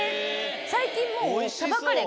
最近もう。